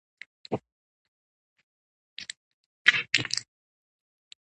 د ولس ملاتړ د هرې پرېکړې وزن ټاکي